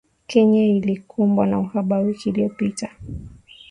Kenya ilikumbwa na uhaba wiki iliyopita